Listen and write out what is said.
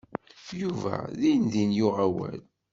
Yuba dindin yuɣ awal.